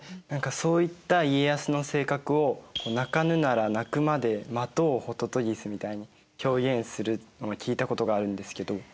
何かそういった家康の性格を「鳴かぬなら鳴くまで待とうほととぎす」みたいに表現するのを聞いたことがあるんですけど。